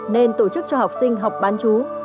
nên tổ chức cho học sinh học bán chú